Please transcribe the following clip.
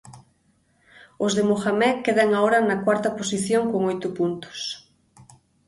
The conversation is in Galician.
Os de Mohamed quedan agora na cuarta posición con oito puntos.